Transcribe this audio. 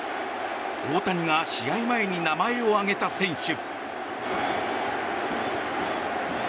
大谷が試合前に名前を挙げた選手。